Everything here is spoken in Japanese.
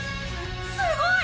「すごい！」